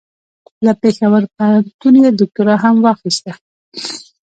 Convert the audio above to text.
له پېښور پوهنتون یې دوکتورا هم واخیسته.